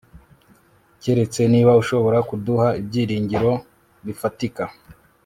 Keretse niba ushobora kuduha ibyiringiro bifatika